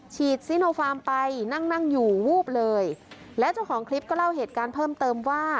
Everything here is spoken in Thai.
ฉีดซิโนฟาร์มไปนั่งนั่งอยู่วูบเลยและเจ้าของคลิปก็เล่าเหตุการณ์เพิ่มเติมว่า